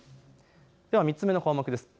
では３つ目の項目です。